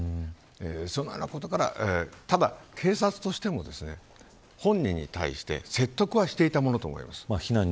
そのようなことからただ、警察としても本人に対して説得はしていたものと思います。